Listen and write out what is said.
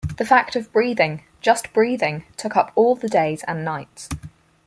The fact of breathing, just breathing, took up all the days and nights.